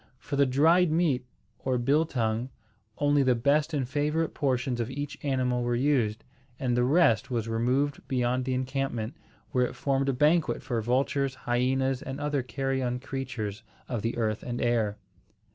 For the dried meat, or biltongue, only the best and favourite portions of each animal were used, and the rest was removed beyond the encampment, where it formed a banquet for vultures, hyenas, and other carrion creatures of the earth and air.